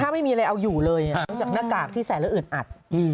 ไม่มีอะไรเอาอยู่เลยนอกจากหน้ากากที่ใส่แล้วอึดอัด